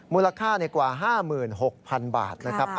มูลค่ากว่า๕๖๐๐๐บาทนะครับ